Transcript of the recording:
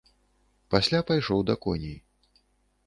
Пасля пайшоў да коней.